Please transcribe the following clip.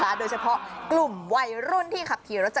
ไอ้กลางวันไม่เท่าไรหรอก